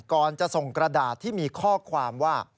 ก่อนจะส่งกระดาษที่มีข้อความว่า